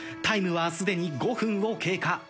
タイムはすでに５分を経過。